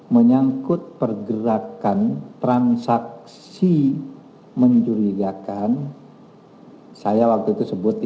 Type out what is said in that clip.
menyangkut pergerakan transaksi mencurigakan saya waktu itu sebut tiga ratus t